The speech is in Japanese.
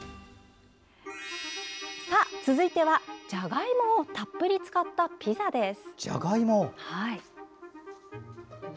続いては、じゃがいもをたっぷり使ったピザです。